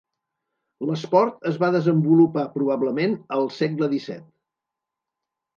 L'esport es va desenvolupar probablement al segle XVII.